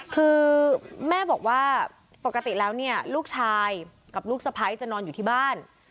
คือแม่บอกว่าปกติแล้วเนี่ยลูกชายกับลูกสะพ้ายจะนอนอยู่ที่บ้าน